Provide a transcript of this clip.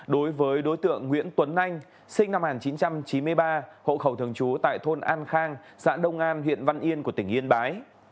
đối với đối tượng nguyễn tuấn anh sinh năm một nghìn chín trăm chín mươi ba hộ khẩu thường trú tại thôn an khang xã đông an huyện văn yên của tỉnh yên bái